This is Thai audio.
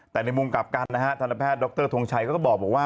แต่ในมุมกลับกันนะฮะทันแพทย์ดรทงชัยก็บอกว่า